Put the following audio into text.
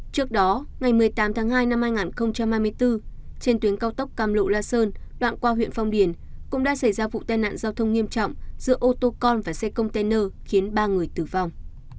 trước đó ngày một mươi tám tháng hai năm hai nghìn hai mươi bốn trên tuyến cao tốc cam lộ la sơn đoạn qua huyện phong điền cũng đã xảy ra vụ tai nạn giao thông nghiêm trọng giữa ô tô con và xe container khiến ba người tử vong